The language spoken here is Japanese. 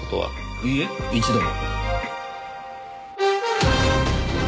いいえ一度も。